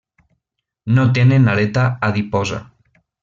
No tenen aleta adiposa.